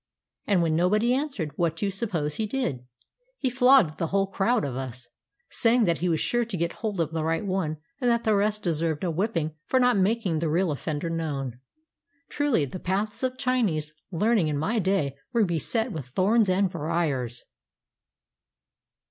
And when nobody answered, what do you suppose he did? He flogged the whole crowd of us, saying that he was sure to get hold of the right one and that the rest deserved a whipping for not making the real offender known. Truly, the paths of Chinese learning in my day were beset with thorns and briers!